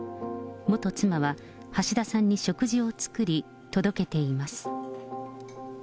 元妻は橋田さんに食事を作り、届けています。